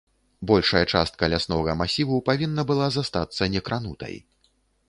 Большая частка ляснога масіву павінна была застацца некранутай.